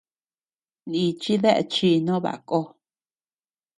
Nichi dae chi no baʼa ko.